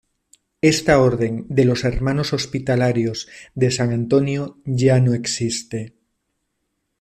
Esta orden de los Hermanos Hospitalarios de San Antonio ya no existe.